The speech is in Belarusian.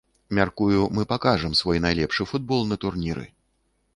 Мяркую, мы пакажам свой найлепшы футбол на турніры.